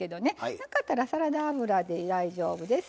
なかったらサラダ油で大丈夫です。